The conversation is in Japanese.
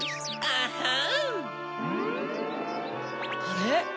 あれ？